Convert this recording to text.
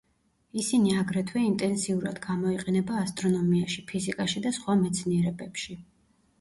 ისინი აგრეთვე ინტენსიურად გამოიყენება ასტრონომიაში, ფიზიკაში და სხვა მეცნიერებებში.